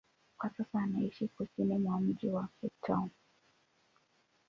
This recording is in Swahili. Kwa sasa anaishi kusini mwa mji wa Cape Town.